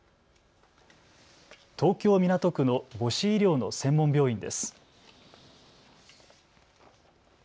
東京港区の母子医療の専門病院です。